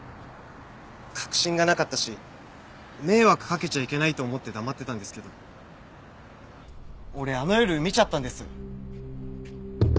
確信がなかったし迷惑かけちゃいけないと思って黙ってたんですけど俺あの夜見ちゃったんです。